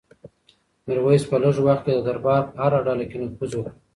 میرویس په لږ وخت کې د دربار په هره ډله کې نفوذ وکړ.